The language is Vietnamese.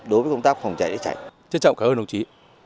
đối với công tác phòng cháy ra cháy chân trọng cảm ơn đồng chí